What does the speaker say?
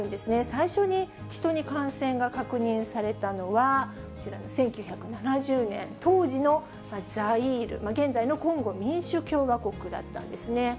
最初にヒトに感染が確認されたのはこちらの１９７０年、当時のザイール、現在のコンゴ民主共和国だったんですね。